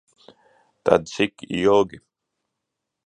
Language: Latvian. Tad cik ilgi?